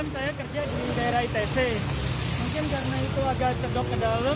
sebetulnya saya kerja di daerah itu ya